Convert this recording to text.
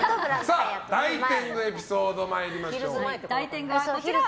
大天狗エピソード参りましょう。